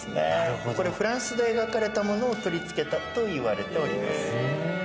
フランスで描かれたものを取り付けたと言われております。